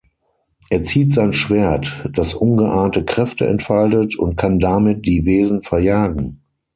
Er zieht sein Schwert, das ungeahnte Kräfte entfaltet, und kann damit die Wesen verjagen.